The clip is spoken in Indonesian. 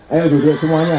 ayo duduk semuanya